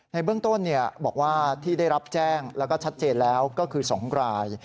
ในเบื้องต้นบอกว่าที่ได้รับแจ้งแล้วก็ชัดเจนแล้วก็คือ๒ราย